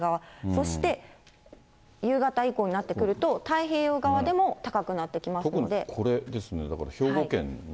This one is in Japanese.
そして、夕方以降になってくると、太平洋側でも高くなってきますの特にこれですね。